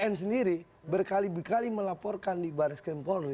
n sendiri berkali kali melaporkan di baris krim polri